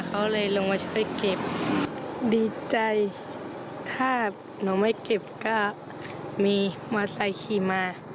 เขาเลยลงมาช่วยเก็บดีใจถ้าหนูไม่เก็บก็มีมอไซค์ขี่มา